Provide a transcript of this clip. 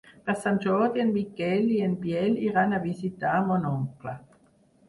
Per Sant Jordi en Miquel i en Biel iran a visitar mon oncle.